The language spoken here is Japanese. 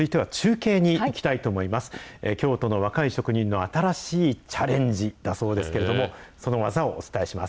京都の若い職人の新しいチャレンジだそうですけれども、その技をお伝えします。